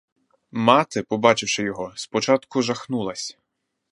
Мати, побачивши його, спочатку жахнулась.